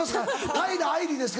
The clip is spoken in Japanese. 平愛梨ですけど」。